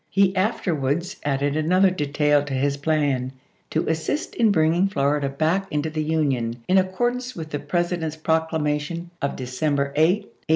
He afterwards added another detail to his plan: to assist in bringing Florida back into the Union, in accordance with the President's Proclamation of December 8, 1863.